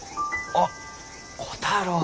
あっ虎太郎。